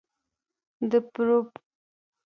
د پروپولیس د څه لپاره وکاروم؟